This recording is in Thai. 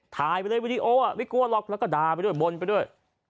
ถ่ายไปเลยวิดีโอไม่กลัวหรอกแล้วก็ด่าไปด้วยบนไปด้วย